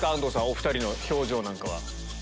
お２人の表情なんかは。